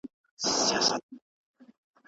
بریا تل مادي بڼه نه لري.